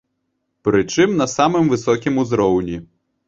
Прычым на самым высокім узроўні.